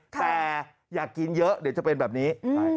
แต่อยากกินเยอะเดี๋ยวจะเป็นแบบนี้